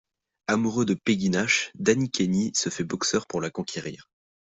Amoureux de Peggy Nash, Danny Kenny se fait boxeur pour la conquérir.